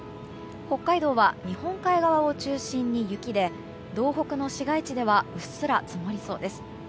北海道は日本海側を中心に雪で道北の市街地ではうっすら積もりそうです。